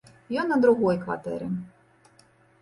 Ён на другой кватэры.